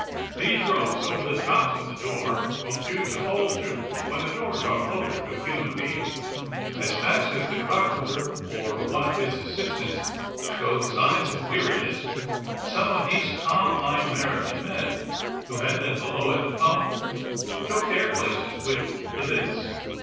These ropes over the tops of the door will do to hold to when the doors are loaded with human beings. '' As fast as the carpenter or one of his assist ants showed signs of weariness some of these calm eyed American men, who had been below at the pump took their places with the bits.